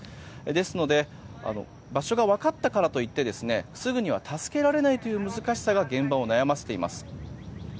ですので場所が分かったからといってすぐには助けられないという難しさが現場を悩ませています。